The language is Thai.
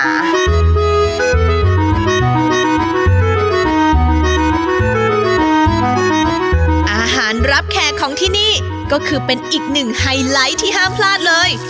อาหารรับแขกของที่นี่ก็คือเป็นอีกหนึ่งไฮไลท์ที่ห้ามพลาดเลย